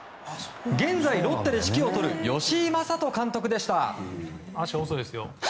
現在、ロッテで指揮を執る吉井理人監督でした。